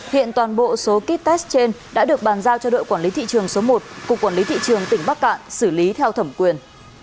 hiện toàn bộ số kit test trên đã được bàn giao cho đội quản lý thị trường số một cục quản lý thị trường tỉnh bắc cạn xử lý theo thẩm quyền